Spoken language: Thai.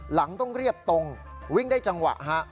หลังต้องเรียบตรงวิ่งได้จังหวะฮะ